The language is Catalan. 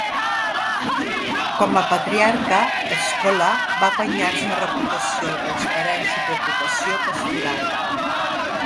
Com a patriarca Scola va guanyar-se una reputació de transparència i preocupació pastoral.